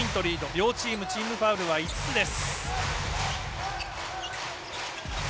両チームチームファウルは５つです。